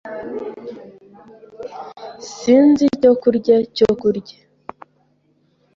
Sinzi icyo kurya cyo kurya.